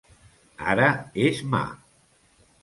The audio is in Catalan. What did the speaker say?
Ara és mà!